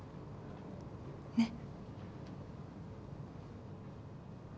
ねっ？